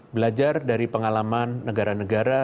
belajar dari pengalaman negara negara